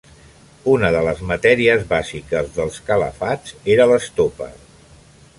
Una de les matèries bàsiques dels calafats era l'estopa.